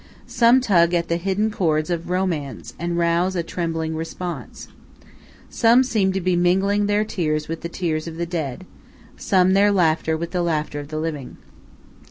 Some tug at the hidden chords of romance and rouse a trembling response. Some seem to be mingling their tears with the tears of the dead; some their laughter with the laughter of the living.